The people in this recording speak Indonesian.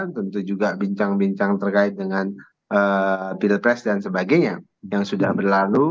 tentu juga bincang bincang terkait dengan pilpres dan sebagainya yang sudah berlalu